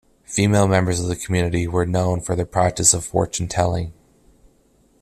Female members of the community were known for their practice of fortune-telling.